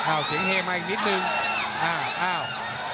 อ้าวเสียงเห็นมาอีกนิดนึงอ้าว